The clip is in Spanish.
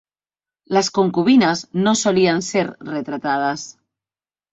Las concubinas no solían ser retratadas.